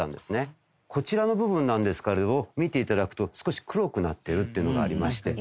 こちらの部分なんですけれども見て頂くと少し黒くなっているっていうのがありまして。